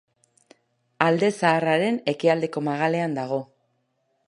Alde Zaharraren ekialdeko magalean dago.